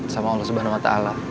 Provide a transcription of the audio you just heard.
sama allah swt